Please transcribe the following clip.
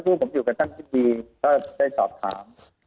คุณผู้ผมอยู่ต้านที่ดีฝ่าไปตอบถาม